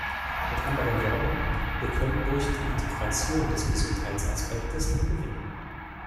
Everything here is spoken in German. Mit anderen Worten, wir können durch die Integration des Gesundheitsaspektes nur gewinnen.